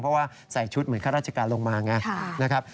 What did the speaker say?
เพราะว่าใส่ชุดเหมือนข้าราชการลงมาไงนะครับ